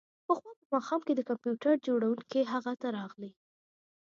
پخوا په ماښام کې د کمپیوټر جوړونکی هغه ته راغی